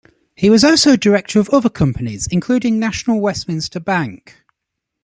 He was also director of other companies including National Westminster Bank.